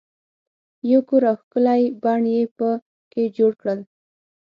یو کور او ښکلی بڼ یې په کې جوړ کړل.